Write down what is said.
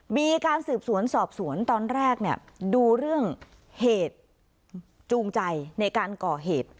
มีการสืบสวนสอบสวนตอนแรกดูเรื่องเหตุจูงใจในการก่อเหตุ